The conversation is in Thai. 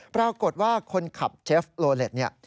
ปรากฏว่าคนขับเชฟโลเล็ตเนี่ย